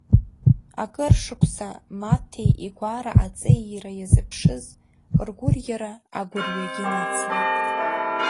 Акыр шықәса Маҭеи игәара аҵеи иира иазыԥшыз, ргәырӷьара агәырҩагьы нацлеит.